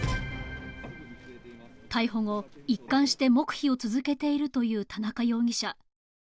逮捕後、一貫して黙秘を続けているという田中容疑者。